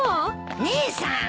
姉さん。